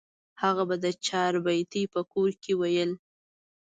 هغه به د چاربیتې په کور کې ویل.